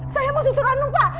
saya mau susur ranum pak